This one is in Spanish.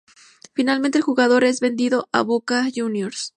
Finalmente, el jugador es vendido a Boca Juniors.